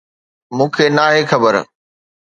مون کي ناهي خبر.